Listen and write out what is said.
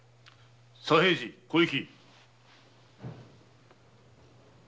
左平次小雪。